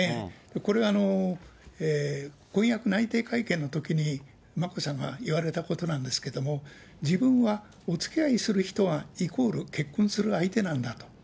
これは、婚約内定会見のときに、眞子さまが言われたことなんですけれども、自分は、おつきあいする人が、イコール結婚する相手なんだと。